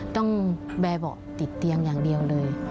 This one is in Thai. ต้องแบร์เบาะติดเตียงอย่างเดียวเลย